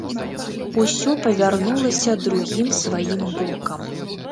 Усё павярнулася другім сваім бокам.